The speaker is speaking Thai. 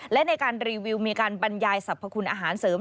และในการรีวิวมีการบรรยายสรรพคุณอาหารเสริม